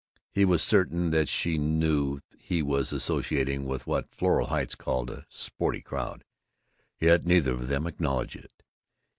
He was certain that she knew he was associating with what Floral Heights called "a sporty crowd," yet neither of them acknowledged it.